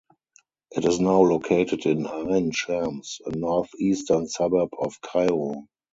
It is now located in Ayn Shams, a northeastern suburb of Cairo.